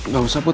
gak usah bud